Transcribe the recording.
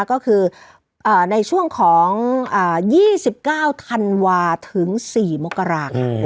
ก็คือในช่วงของ๒๙ธันวาถึง๔มกราค่ะ